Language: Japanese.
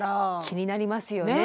気になりますよね。